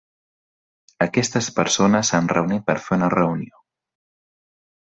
Aquestes persones s'han reunit per fer una reunió.